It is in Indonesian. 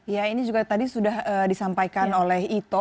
ya ini juga tadi sudah disampaikan oleh ito